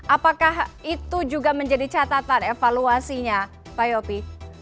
apakah itu juga menjadi catatan evaluasinya pak yopi